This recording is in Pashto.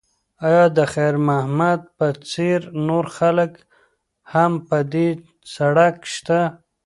ایا د خیر محمد په څېر نور خلک هم په دې سړک شته؟